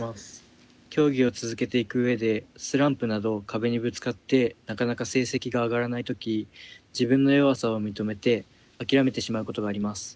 競技を続けていく上でスランプなど壁にぶつかってなかなか成績が上がらない時自分の弱さを認めて諦めてしまうことがあります。